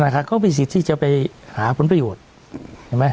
เขามีสิทธิ์ที่จะไปหาผลประโยชน์ใช่ไหม